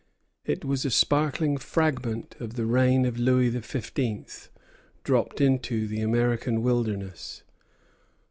It was a sparkling fragment of the reign of Louis XV. dropped into the American wilderness.